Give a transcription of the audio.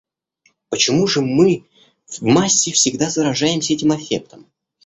Почему же мы в массе всегда заражаемся этим аффектом?